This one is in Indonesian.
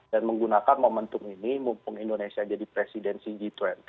dan menggunakan momentum ini mumpung indonesia jadi presidensi g dua puluh